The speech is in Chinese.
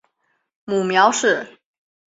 母苗氏。